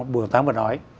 bùi hồng tám vừa nói